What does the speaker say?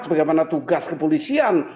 sebagaimana tugas kepolisian